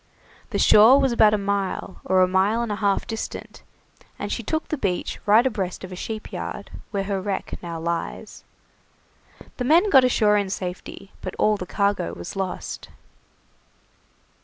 The shore was about a mile, or a mile and a half distant, and she took the beach right abreast of a sheep yard, where her wreck now lies. The men got ashore in safety, but all the cargo was lost.